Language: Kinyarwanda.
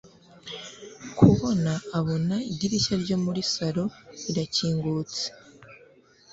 kubona abona idirishya ryo muri salon rirakingutse